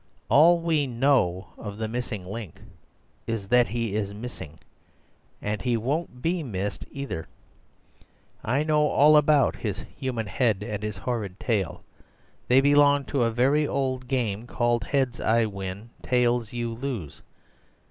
All we know of the Missing Link is that he is missing—and he won't be missed either. I know all about his human head and his horrid tail; they belong to a very old game called 'Heads I win, tails you lose.